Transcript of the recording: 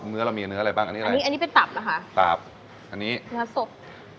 เรามีเนื้ออะไรบ้างอันนี้อันนี้เป็นตับเหรอคะตับอันนี้เนื้อสด